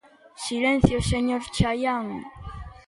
Silencio, señor Chaián.